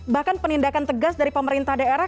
bahkan penindakan tegas dari pemerintah daerah